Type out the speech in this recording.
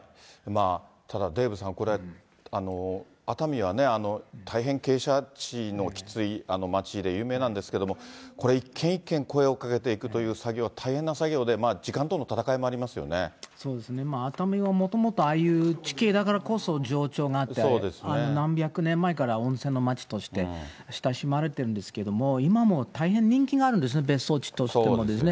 ただデーブさん、これ、熱海は大変傾斜地のきつい町で有名なんですけれども、これ、一軒一軒声をかけていくという作業は大変な作業で、そうですね、熱海はもともとああいう地形だからこそ情緒があって、何百年前から温泉の町として親しまれてるんですけれども、今も大変人気があるんですね、別荘地としてもですね。